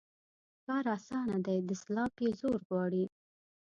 کار اسانه دى ، دسلاپ يې زور غواړي.